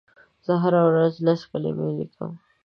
زه هره ورځ لس کلمې لیکم.